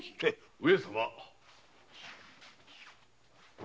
・上様。